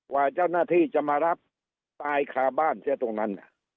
ว่าเจ้าหน้าที่จะมารับตายคาบ้านเสียตรงนั้น